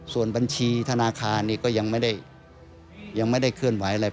ส่วนบัญชีธนาคารนี้ก็ยังไม่ได้เคลื่อนไหวเลย